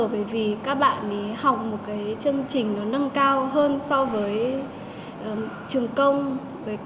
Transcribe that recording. bởi vì các bạn học một cái trường công trường công trường dân lập trường công trường công trường công trường công trường công trường công trường công trường công